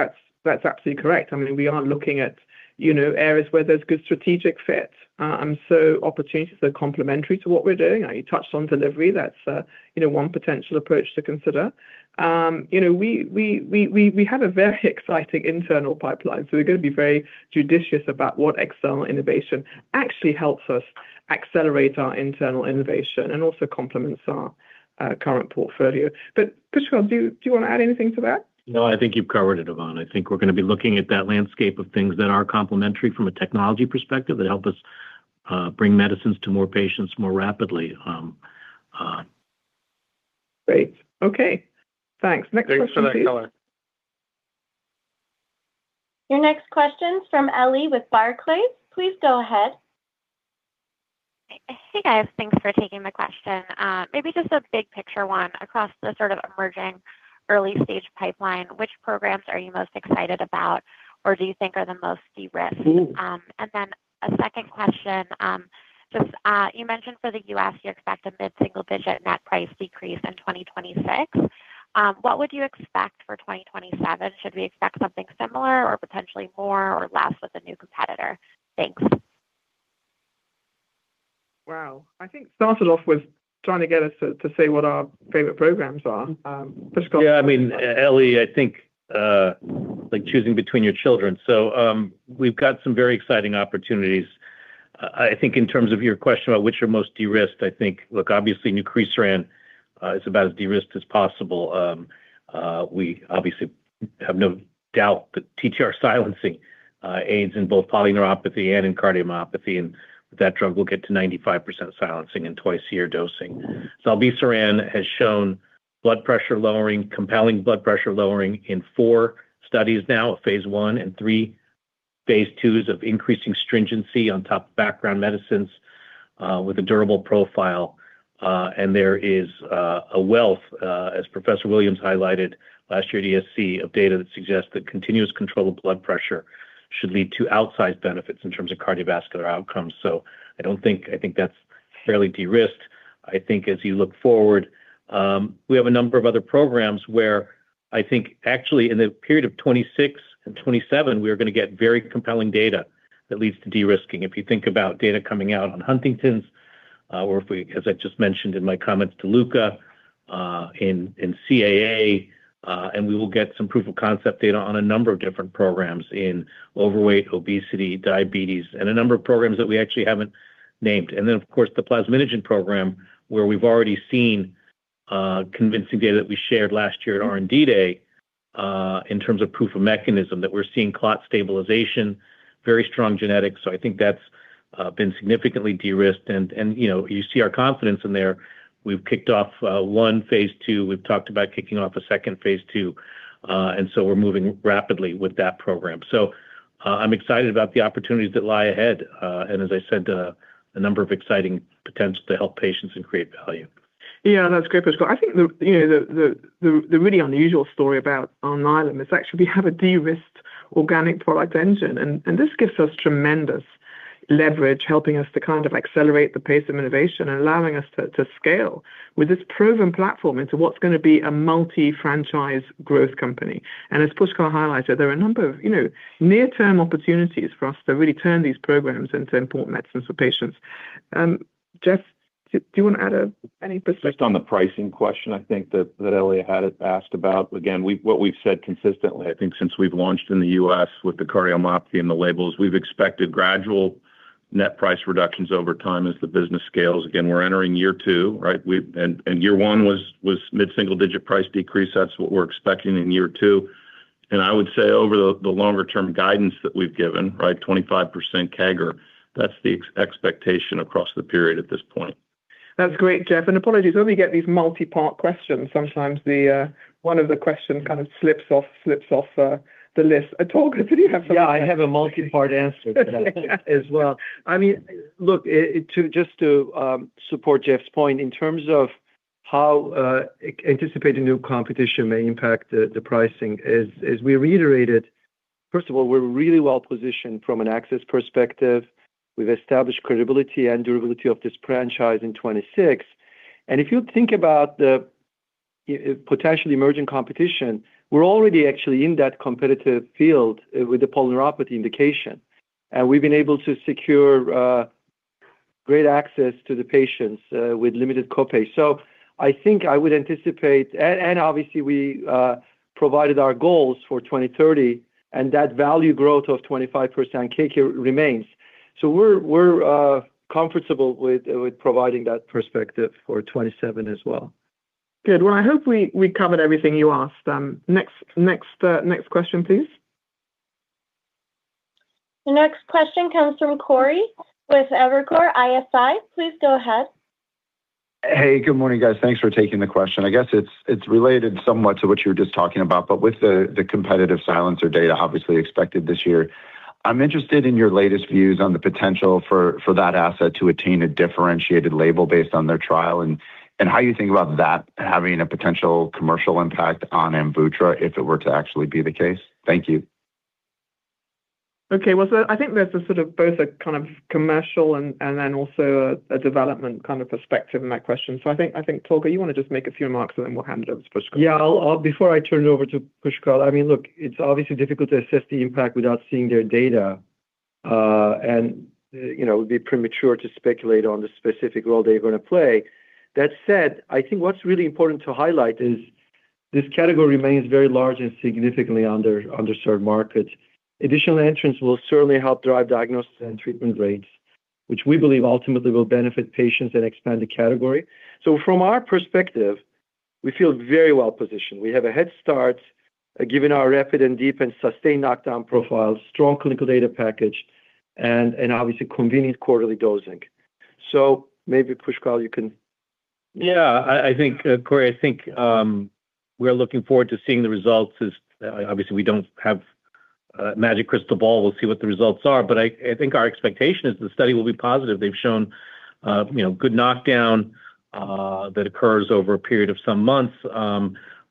correct. I mean, we are looking at, you know, areas where there's good strategic fit. And so opportunities are complementary to what we're doing. You touched on delivery, that's you know, one potential approach to consider. You know, we have a very exciting internal pipeline, so we're going to be very judicious about what external innovation actually helps us accelerate our internal innovation and also complements our current portfolio. But Pushkal, do you want to add anything to that? No, I think you've covered it, Yvonne. I think we're going to be looking at that landscape of things that are complementary from a technology perspective, that help us bring medicines to more patients more rapidly. Great. Okay. Thanks. Next question, please. Thanks for that, Tolga. Your next question from Ellie with Barclays. Please go ahead. Hey, guys, thanks for taking the question. Maybe just a big picture one across the sort of emerging early-stage pipeline, which programs are you most excited about or do you think are the most de-risked? And then a second question, just, you mentioned for the US, you expect a mid-single-digit net price decrease in 2026. What would you expect for 2027? Should we expect something similar or potentially more or less with a new competitor? Thanks. Wow! I think started off with trying to get us to, to say what our favorite programs are. Pushkal? Yeah, I mean, Ellie, I think, like choosing between your children. So, we've got some very exciting opportunities. I think in terms of your question about which are most de-risked, I think, look, obviously, nucresiran is about as de-risked as possible. We obviously have no doubt that TTR silencing aids in both polyneuropathy and in cardiomyopathy, and with that drug, we'll get to 95% silencing and twice a year dosing. Zilebesiran has shown blood pressure lowering, compelling blood pressure lowering in four studies now, at phase I and III, phase II of increasing stringency on top of background medicines, with a durable profile. And there is a wealth, as Professor Williams highlighted last year at ESC, of data that suggests that continuous control of blood pressure should lead to outsized benefits in terms of cardiovascular outcomes. So I don't think... I think that's fairly de-risked. I think as you look forward, we have a number of other programs where I think actually in the period of 2026 and 2027, we are going to get very compelling data that leads to de-risking. If you think about data coming out on Huntington's, or if we, as I just mentioned in my comments to Luca... in CAA, and we will get some proof of concept data on a number of different programs in overweight, obesity, diabetes, and a number of programs that we actually haven't named. And then, of course, the plasminogen program, where we've already seen convincing data that we shared last year at R&D Day, in terms of proof of mechanism, that we're seeing clot stabilization, very strong genetics. So I think that's been significantly de-risked and, you know, you see our confidence in there. We've kicked off one phase 2. We've talked about kicking off a second phase 2, and so we're moving rapidly with that program. So I'm excited about the opportunities that lie ahead, and as I said, a number of exciting potential to help patients and create value. Yeah, that's great, Pushkal. I think you know the really unusual story about Alnylam is actually we have a de-risked organic product engine, and this gives us tremendous leverage, helping us to kind of accelerate the pace of innovation and allowing us to scale with this proven platform into what's going to be a multi-franchise growth company. And as Pushkal highlighted, there are a number of you know near-term opportunities for us to really turn these programs into important medicines for patients. And Jeff, do you want to add any perspective? Just on the pricing question, I think that Ellie had asked about. Again, what we've said consistently, I think since we've launched in the U.S. with the cardiomyopathy and the labels, we've expected gradual net price reductions over time as the business scales. Again, we're entering year two, right? And year one was mid-single-digit price decrease. That's what we're expecting in year two. And I would say over the longer-term guidance that we've given, right, 25% CAGR, that's the expectation across the period at this point. That's great, Jeff. And apologies, when we get these multi-part questions, sometimes one of the questions kind of slips off the list. Tolga, did you have something? Yeah, I have a multi-part answer to that as well. I mean, look, just to support Jeff's point, in terms of how anticipating new competition may impact the pricing is, we reiterated, first of all, we're really well positioned from an access perspective. We've established credibility and durability of this franchise in 2026. And if you think about the potentially emerging competition, we're already actually in that competitive field with the polyneuropathy indication, and we've been able to secure great access to the patients with limited copay. So I think I would anticipate and obviously, we provided our goals for 2030, and that value growth of 25% CAGR remains. So we're comfortable with providing that perspective for 2027 as well. Good. Well, I hope we covered everything you asked. Next question, please. The next question comes from Corey with Evercore ISI. Please go ahead. Hey, good morning, guys. Thanks for taking the question. I guess it's related somewhat to what you were just talking about, but with the competitive silencer data obviously expected this year, I'm interested in your latest views on the potential for that asset to attain a differentiated label based on their trial and how you think about that having a potential commercial impact on AMVUTTRA, if it were to actually be the case? Thank you. Okay, well, so I think there's a sort of both a kind of commercial and then also a development kind of perspective in that question. So I think Tolga, you want to just make a few remarks, and then we'll hand it over to Pushkal. Yeah, I'll- before I turn it over to Pushkal, I mean, look, it's obviously difficult to assess the impact without seeing their data. And you know, it would be premature to speculate on the specific role they're going to play. That said, I think what's really important to highlight is this category remains very large and significantly underserved market. Additional entrants will certainly help drive diagnosis and treatment rates, which we believe ultimately will benefit patients and expand the category. So from our perspective, we feel very well positioned. We have a head start, given our rapid and deep and sustained knockdown profiles, strong clinical data package, and obviously, convenient quarterly dosing. So maybe, Pushkal, you can- Yeah, I think, Corey, I think, we're looking forward to seeing the results as... Obviously, we don't have a magic crystal ball. We'll see what the results are, but I think our expectation is the study will be positive. They've shown, you know, good knockdown, that occurs over a period of some months.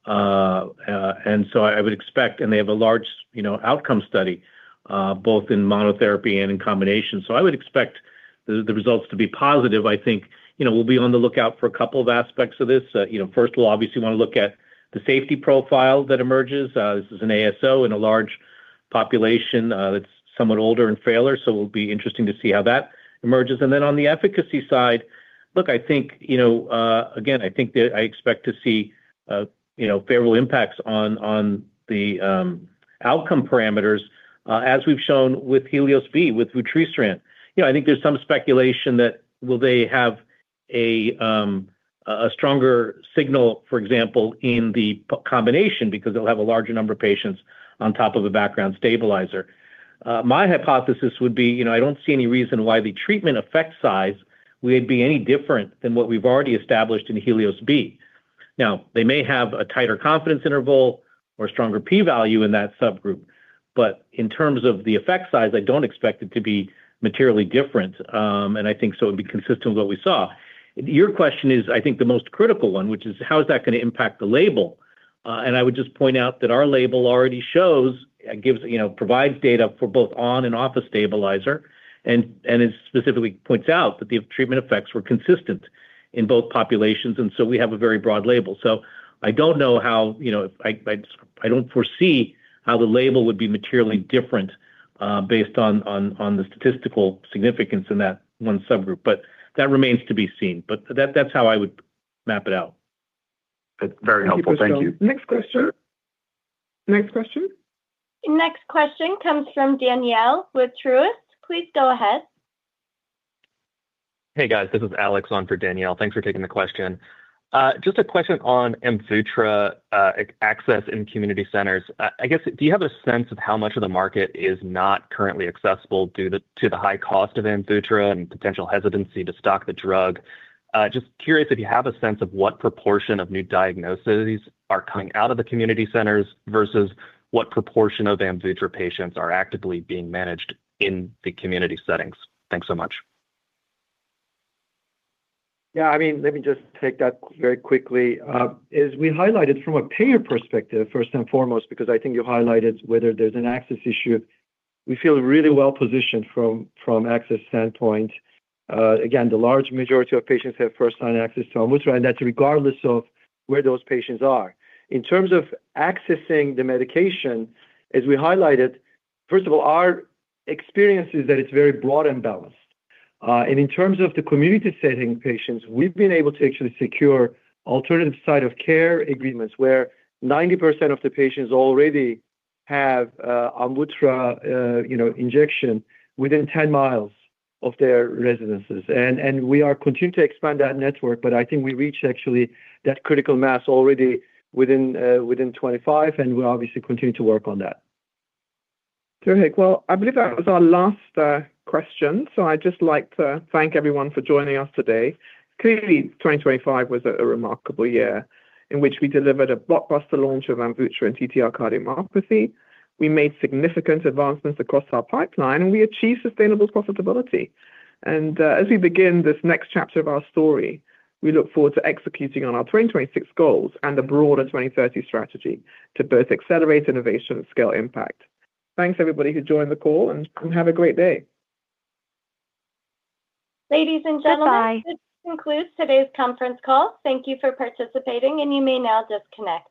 And so I would expect and they have a large, you know, outcome study, both in monotherapy and in combination. So I would expect the results to be positive. I think, you know, we'll be on the lookout for a couple of aspects of this. You know, first of all, obviously, we want to look at the safety profile that emerges. This is an ASO in a large population, that's somewhat older and failure, so it will be interesting to see how that emerges. And then on the efficacy side, look, I think, you know, again, I think that I expect to see, you know, favorable impacts on the outcome parameters, as we've shown with HELIOS-B, with vutrisiran. You know, I think there's some speculation that will they have a stronger signal, for example, in the p- combination because they'll have a larger number of patients on top of a background stabilizer. My hypothesis would be, you know, I don't see any reason why the treatment effect size would be any different than what we've already established in HELIOS-B. Now, they may have a tighter confidence interval or stronger p-value in that subgroup, but in terms of the effect size, I don't expect it to be materially different, and I think so it would be consistent with what we saw. Your question is, I think, the most critical one, which is: how is that going to impact the label? And I would just point out that our label already shows, gives, you know, provides data for both on and off a stabilizer, and, and it specifically points out that the treatment effects were consistent in both populations, and so we have a very broad label. So, I don't know how, you know, I, I, I don't foresee how the label would be materially different, based on, on, on the statistical significance in that one subgroup, but that remains to be seen. But that, that's how I would map it out. Very helpful. Thank you. Next question. Next question? Next question comes from Danielle with Truist. Please go ahead. Hey, guys. This is Alex on for Danielle. Thanks for taking the question. Just a question on AMVUTTRA, access in community centers. I guess, do you have a sense of how much of the market is not currently accessible due to the high cost of AMVUTTRA and potential hesitancy to stock the drug? Just curious if you have a sense of what proportion of new diagnoses are coming out of the community centers versus what proportion of AMVUTTRA patients are actively being managed in the community settings. Thanks so much. Yeah, I mean, let me just take that very quickly. As we highlighted from a payer perspective, first and foremost, because I think you highlighted whether there's an access issue, we feel really well positioned from, from access standpoint. Again, the large majority of patients have first-line access to AMVUTTRA, and that's regardless of where those patients are. In terms of accessing the medication, as we highlighted, first of all, our experience is that it's very broad and balanced. And in terms of the community setting patients, we've been able to actually secure alternative site of care agreements, where 90% of the patients already have, AMVUTTRA, you know, injection within 10 miles of their residences. And we are continuing to expand that network, but I think we reached actually that critical mass already within 25, and we obviously continue to work on that. Well, I believe that was our last question, so I'd just like to thank everyone for joining us today. Clearly, 2025 was a remarkable year in which we delivered a blockbuster launch of AMVUTTRA and TTR cardiomyopathy. We made significant advancements across our pipeline, and we achieved sustainable profitability. And as we begin this next chapter of our story, we look forward to executing on our 2026 goals and the broader 2030 strategy to both accelerate innovation and scale impact. Thanks, everybody, who joined the call, and have a great day. Ladies and gentlemen. Bye-bye. This concludes today's conference call. Thank you for participating, and you may now disconnect.